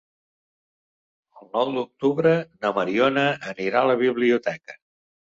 El nou d'octubre na Mariona anirà a la biblioteca.